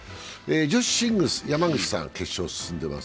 女子シングルス、山口さん、決勝に進んでいます。